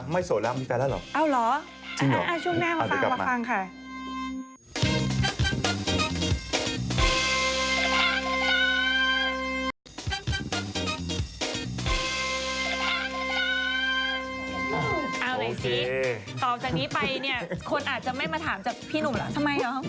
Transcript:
มันควรจะเปลี่ยนไม่จริงมันต้องเปลี่ยนเป็น๖เดือนที